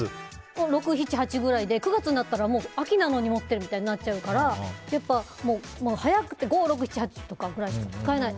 ６、７、８ぐらいで９月になると秋なのに持ってるみたいになっちゃうから早くて５、６、７、８しか使えない。